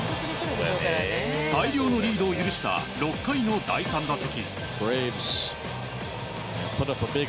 大量のリードを許した６回の第３打席。